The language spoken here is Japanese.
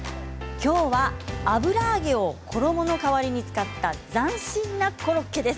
きょうは油揚げを衣の代わりに使った斬新なコロッケです。